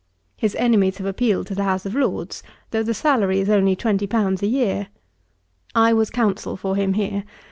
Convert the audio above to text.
His enemies have appealed to the House of Lords, though the salary is only twenty pounds a year. I was Counsel for him here.